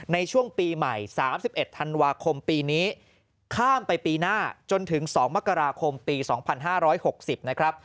ในช่วงปีใหม่๓๑ธันวาคมปีนี้ข้ามไปปีหน้าจนถึง๒มกราคมปี๒๕๖๐นะครับ